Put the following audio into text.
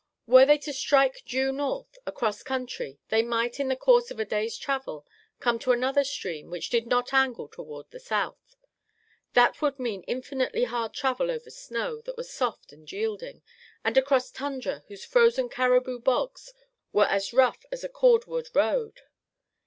Were they to strike due north, across country, they might in the course of a day's travel come to another stream which did not angle toward the south. That would mean infinitely hard travel over snow that was soft and yielding, and across tundra whose frozen caribou bogs were as rough as a cordwood road.